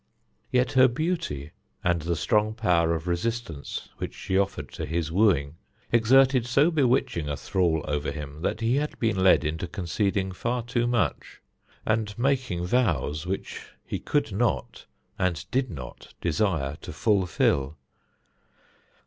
Yet her beauty, and the strong power of resistance which she offered to his wooing, exerted so bewitching a thrall over him that he had been led into conceding far too much, and making vows which he could not and did not desire to fulfil.